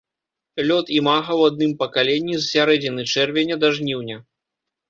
Лёт імага ў адным пакаленні з сярэдзіны чэрвеня да жніўня.